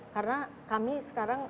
karena kami sekarang